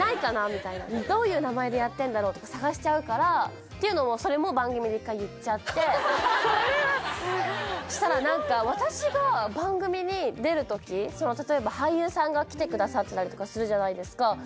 みたいなどういう名前でやってんだろうとか探しちゃうからっていうのをそれはすごいそしたら何か私が番組に出る時例えば俳優さんが来てくださってたりとかするじゃないですか